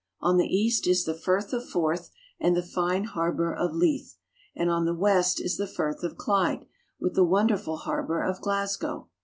On the east is the Firth of Forth and the fine harbor of Leith, and on the west is the Firth of Clyde with the wonderful harbor of Glasgow.